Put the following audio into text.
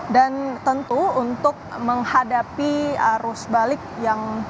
tentu untuk menghadapi arus balik yang